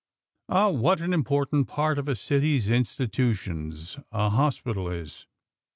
Ah! What an important part of a city's institutions a hospital is!